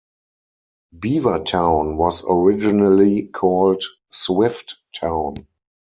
Beavertown was originally called Swifttown.